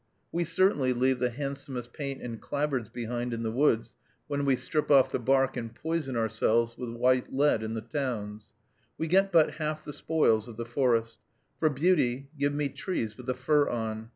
We certainly leave the handsomest paint and clapboards behind in the woods, when we strip off the bark and poison ourselves with white lead in the towns. We get but half the spoils of the forest. For beauty, give me trees with the fur on.